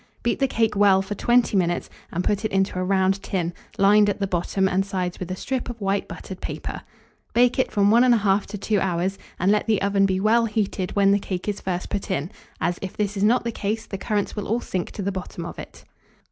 Beat the cake well for 20 minutes, and put it into a round tin, lined at the bottom and sides with a strip of white buttered paper. Bake it from 1 1/2 to 2 hours, and let the oven be well heated when the cake is first put in, as, if this is not the case, the currants will all sink to the bottom of it.